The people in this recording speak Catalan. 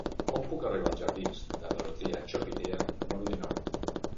Com puc arribar als jardins de Dorotea Chopitea número dinou?